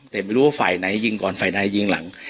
แต่ไม่รู้ว่าฝ่ายไหนยิงก่อนฝ่ายใดยิงหลัง